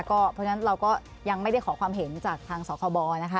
เพราะฉะนั้นเราก็ยังไม่ได้ขอความเห็นจากทางสคบนะคะ